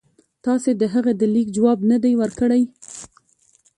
تاسي د هغه د لیک جواب نه دی ورکړی.